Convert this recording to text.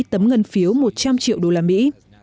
tấm ngân phiếu một trăm linh triệu đô la mỹ